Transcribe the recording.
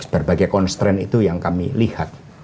berbagai konstrain itu yang kami lihat